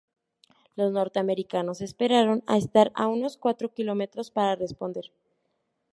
Los norteamericanos esperaron a estar a unos cuatro kilómetros para responder.